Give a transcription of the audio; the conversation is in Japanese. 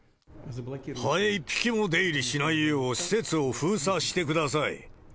ハエ一匹も出入りしないよう、施設を封鎖してください。